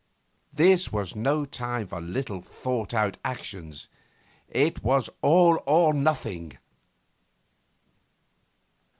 This was no time for little thought out actions. It was all or nothing!